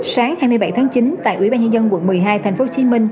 sáng hai mươi bảy tháng chín tại ủy ban nhân dân quận một mươi hai tp hcm